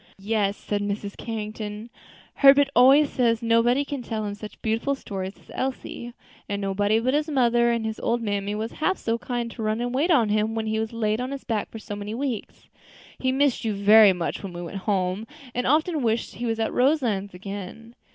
"Yes," said Mrs. Carrington, "Herbert always says nobody can tell him such beautiful stories as Elsie; and nobody but his mother and his old mammy was half so kind to run and wait on him when he was laid on his back for so many weeks. He missed you very much when we went home, and often wished he was at Roselands again."